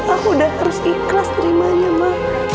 aku udah harus ikhlas terimanya ma